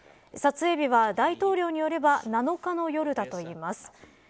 撮影日は大統領によれば７日の夜だといいます。